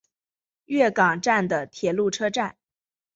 月冈站的铁路车站。